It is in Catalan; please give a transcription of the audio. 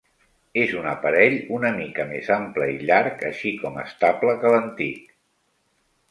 És un aparell una mica més ample i llarg, així com estable que l'antic.